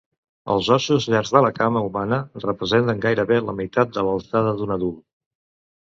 Els ossos llargs de la cama humana representen gairebé la meitat de l'alçada d'un adult.